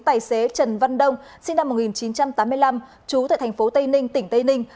tài xế trần văn đông sinh năm một nghìn chín trăm tám mươi năm trú tại thành phố tây ninh tỉnh tây ninh